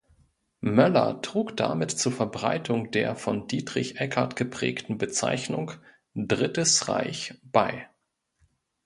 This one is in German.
Moeller trug damit zur Verbreitung der von Dietrich Eckart geprägten Bezeichnung „Drittes Reich“ bei.